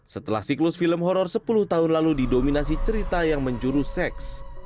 setelah siklus film horror sepuluh tahun lalu didominasi cerita yang menjuru seks